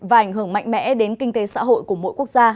và ảnh hưởng mạnh mẽ đến kinh tế xã hội của mỗi quốc gia